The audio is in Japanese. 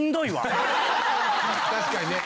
確かにね。